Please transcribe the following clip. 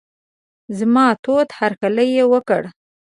زما تود هرکلی یې وکړ.